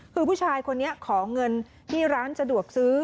คือผู้ชายคนนี้ขอเงินที่ร้านสะดวกซื้อ